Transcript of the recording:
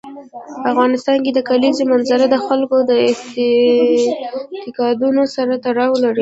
په افغانستان کې د کلیزو منظره د خلکو د اعتقاداتو سره تړاو لري.